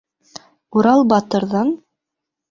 Урал батырҙың: